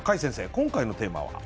今回のテーマは？